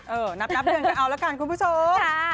นับเดือนกันเอาละกันคุณผู้ชม